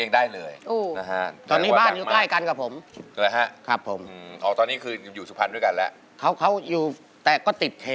ได้ครับ